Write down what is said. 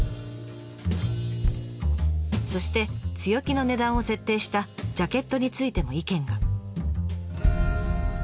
そして強気の値段を設定したジャケットについても意見が。